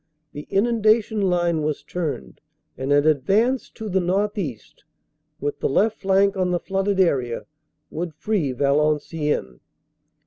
The inunda CAPTURE OF VALENCIENNES 361 tion line was turned and an advance to the northeast, with the left flank on the flooded area, would free Valenciennes.